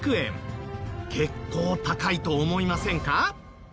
結構高いと思いませんか？